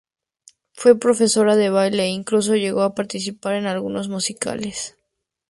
Fue profesora de baile e incluso llegó a participar en algunos musicales.